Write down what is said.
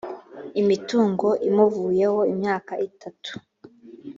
imitungo imuvuyeho imyaka itatu